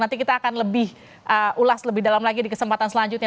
nanti kita akan lebih ulas lebih dalam lagi di kesempatan selanjutnya